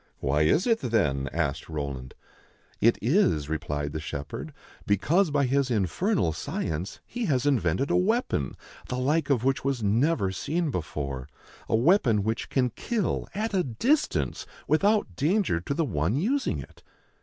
"Why is it, then?" asked Roland. " It is," replied the shepherd, " because by his infernal science he has invented a weapon the like of which was never seen before, — a weapon which can kill at a distance without danger to the one using it."